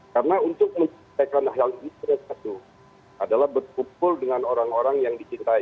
karena untuk menciptakan hal hal itu adalah berkumpul dengan orang orang yang dicintai